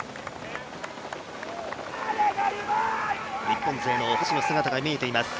日本勢の星の姿が見えています。